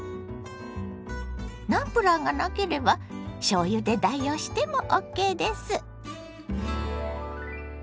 ナムプラーがなければしょうゆで代用してもＯＫです。